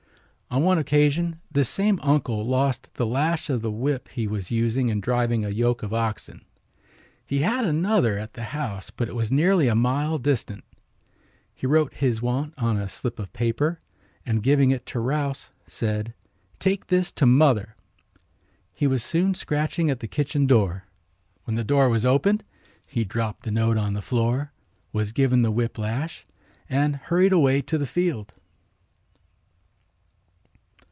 On one occasion this same uncle lost the lash of the whip he was using in driving a yoke of oxen. He had another at the house, but it was nearly a mile distant. He wrote his want on a slip of paper and giving it to Rouse said, "Take this to mother." He was soon scratching at the kitchen door. When the door was opened he dropped the note on the floor, was given the whip lash and hurried away to the field.